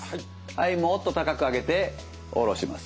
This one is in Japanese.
はいもっと楽しく上げて下ろします。